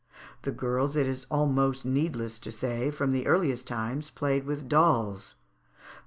The girls, it is almost needless to say, from the earliest times played with dolls.